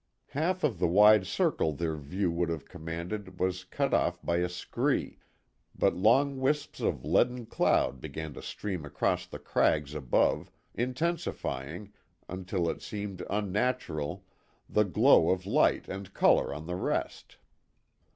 Half of the wide circle their view would have commanded was cut off by the scree, but long wisps of leaden cloud began to stream across the crags above, intensifying, until it seemed unnatural, the glow of light and colour on the rest.